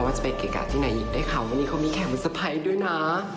ว่าจะไปเกะกะทางไหนหยิบได้เขามานี้เขามีแโคนสไปซ์ด้วยน่ะ